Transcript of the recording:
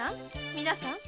皆さん。